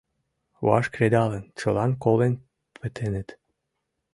Ваш кредалын, чылан колен пытеныт.